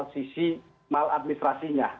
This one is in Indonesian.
kondisi mal administrasinya